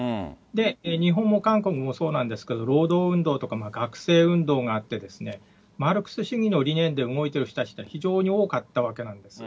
で、日本も韓国もそうなんですけど、労働運動とか学生運動があって、マルクス主義の理念で動いてる人たちが非常に多かったわけなんです。